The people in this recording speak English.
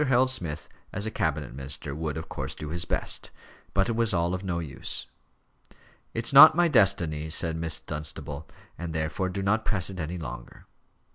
Harold Smith, as a cabinet minister, would, of course, do his best. But it was all of no use. "It's not my destiny," said Miss Dunstable, "and therefore do not press it any longer."